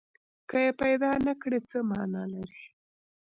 که یې پیدا نه کړي، څه معنی لري؟